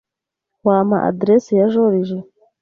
Wampa adresse ya Joriji ?